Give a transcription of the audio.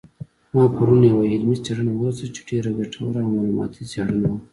ما پرون یوه علمي څېړنه ولوستله چې ډېره ګټوره او معلوماتي څېړنه وه